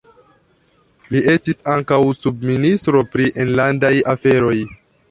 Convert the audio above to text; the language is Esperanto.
Li estis ankaŭ subministro pri enlandaj aferoj.